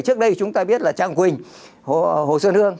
trước đây chúng ta biết là trang quỳnh hồ sơn hương